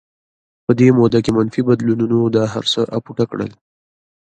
په دې موده کې منفي بدلونونو دا هرڅه اپوټه کړل